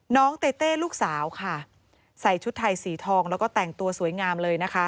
เต้เต้ลูกสาวค่ะใส่ชุดไทยสีทองแล้วก็แต่งตัวสวยงามเลยนะคะ